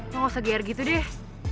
lo gak usah geyer gitu deh